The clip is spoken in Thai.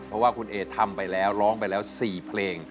เพราะว่าคุณเอทำไปแล้วร้องไปแล้ว๔เพลง